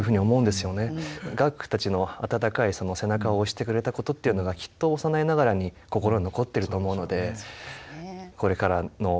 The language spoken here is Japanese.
岳父たちの温かい背中を押してくれたことっていうのがきっと幼いながらに心に残ってると思うのでこれからの励みに厳しくします。